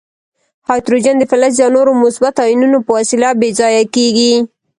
هایدروجن د فلز یا نورو مثبتو آیونونو په وسیله بې ځایه کیږي.